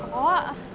không có ạ